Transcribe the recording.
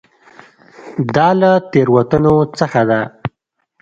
دا له تېروتنو څخه ده.